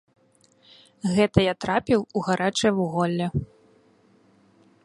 Гэта я трапіў у гарачае вуголле.